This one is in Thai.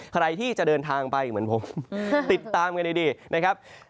ใครที่จะเดินทางไปเหมือนผมติดตามกันดีนะครับ